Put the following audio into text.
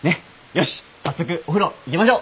よし早速お風呂行きましょ。